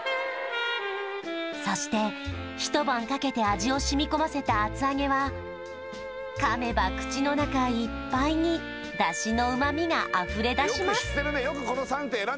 そして一晩かけて味を染み込ませた厚揚げはかめば口の中いっぱいに出汁の旨みが溢れだします